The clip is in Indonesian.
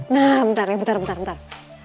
nah bentar ya bentar bentar ntar